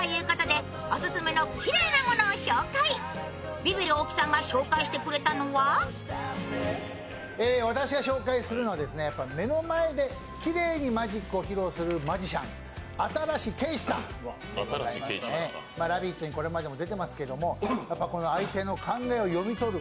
ビビる大木さんが紹介してくれたのは私が紹介するのは目の前できれいにマジックを紹介するマジシャン「ラヴィット！」にこれまでも出ていますけれども、相手の考えを読み取る